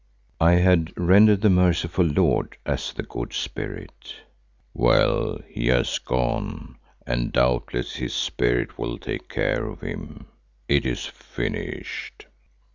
(I had rendered "the merciful Lord" as the Good Spirit.) "Well, he has gone and doubtless his Spirit will take care of him. It is finished."